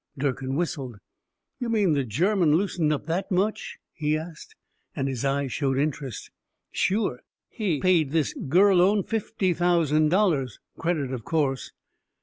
Durkin whistled. "You mean the German loosened up that much?" he asked, and his eyes showed interest. "Sure. He paid this Gurlone fifty thousand dollars credit, of course."